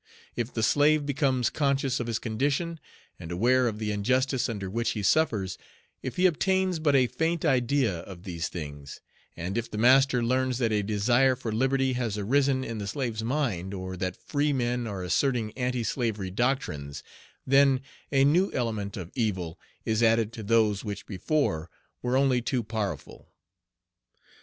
If the slave becomes conscious of his condition, and aware of the injustice under which he suffers, if he obtains but a faint idea of these things; and if the master learns that a desire for liberty has arisen in the slave's mind, or that free men are asserting anti slavery doctrines, then a new element of evil is added to those which before were only too powerful.